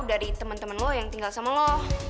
dari temen temen lo yang tinggal sama lo